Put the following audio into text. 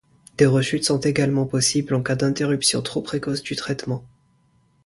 Des rechutes sont également possibles en cas d'interruption trop précoce du traitement.